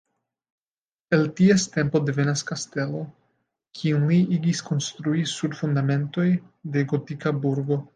El ties tempo devenas kastelo, kiun li igis konstrui sur fundamentoj de gotika burgo.